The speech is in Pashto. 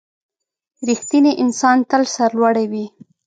• رښتینی انسان تل سرلوړی وي.